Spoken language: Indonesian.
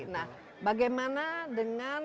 nah bagaimana dengan